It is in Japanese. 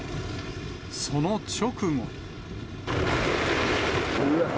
その直後。